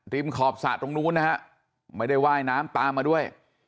ขอบสระตรงนู้นนะฮะไม่ได้ว่ายน้ำตามมาด้วย